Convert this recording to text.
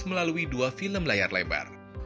melalui dua film layar lebar